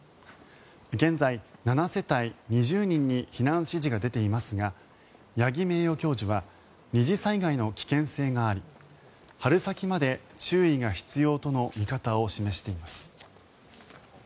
現在、７世帯２０人に避難指示が出ていますが八木名誉教授は二次災害の危険性があり春先まで注意が必要との見方を示しています。